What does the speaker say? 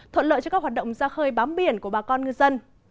thuận lợi cho các hoạt động ra khơi bám biển của bà con ngư dân